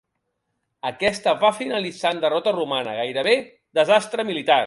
Aquesta va finalitzar en derrota romana, gairebé desastre militar.